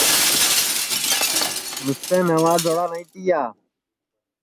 مِسیں نواں جوڑا نائی تِیا